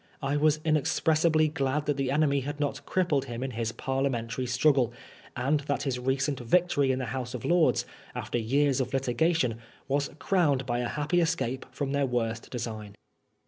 I was inexpressibly glad that the enemy had not crippled him in his parliamentary struggle, and that his recent victory in the House of Lords, after years of litigation, was crowned by a happy escape from their worst design.